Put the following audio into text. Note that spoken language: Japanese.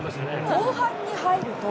後半に入ると。